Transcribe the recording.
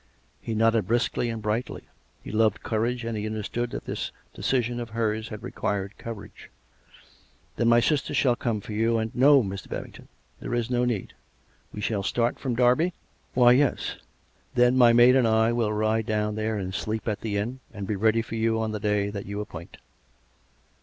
He nodded briskly and brightly. He loved courage, and he understood that this decision of hers had required courage. " Then my sister shall come for you, and "" No, Mr. Babington, there is no need. We shall start from Derby?" "Why, yes." 140 COME RACK! COME ROPE! " Then my maid and I will ride down there and sleep at the inn, and be ready for you on the day that you appoint."